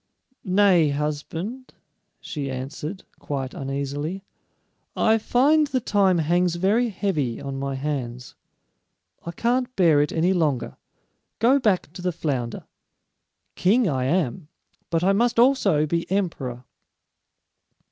"Nay, husband," she answered, quite uneasily, "I find the time hangs very heavy on my hands. I can't bear it any longer. Go back to the flounder. King I am, but I must also be emperor."